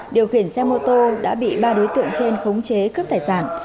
điều khiển xe mô tô đã bị ba đối tượng trên khống chế cướp tài sản